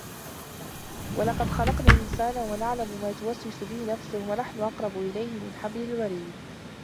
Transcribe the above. وَلَقَد خَلَقنَا الإِنسانَ وَنَعلَمُ ما تُوَسوِسُ بِهِ نَفسُهُ وَنَحنُ أَقرَبُ إِلَيهِ مِن حَبلِ الوَريدِ